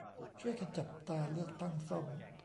ช่วยกันจับตาเลือกตั้งซ่อม